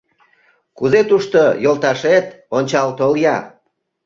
— Кузе тушто йолташет, ончал тол-я.